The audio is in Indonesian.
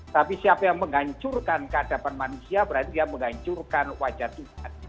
tapi siapa yang menghancurkan kehadapan manusia berarti dia menghancurkan wajah tuhan